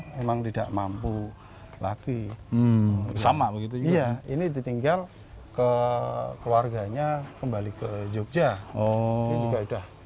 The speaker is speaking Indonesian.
memang tidak mampu lagi sama begitu iya ini ditinggal ke keluarganya kembali ke jogja ini juga udah